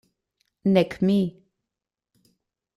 Nek mi.